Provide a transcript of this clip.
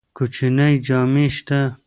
کوچنی جامی شته؟